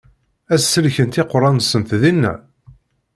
Ad sellkent iqeṛṛa-nsent dinna?